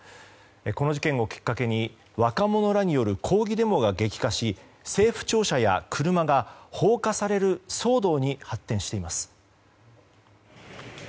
この事件をきっかけに若者らによる抗議デモが激化し政府庁舎や車が放火される騒動に発展しています。